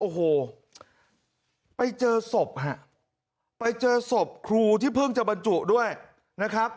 โอ้โหไปเจอศพฮะไปเจอศพครูที่เพิ่งจะบรรจุด้วยนะครับ